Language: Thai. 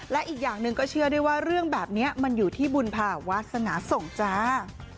และอีกอย่างหนึ่งก็เชื่อได้ว่าเรื่องแบบนี้มันอยู่ที่บุญภาวาสนาส่งจ้า